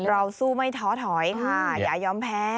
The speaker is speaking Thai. เราสู้ไม่ท้อถอยค่ะอย่ายอมแพ้